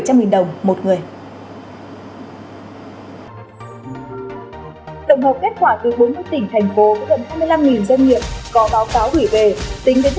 tổng hợp kết quả từ bốn nước tỉnh thành phố